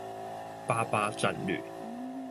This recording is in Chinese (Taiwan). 八八戰略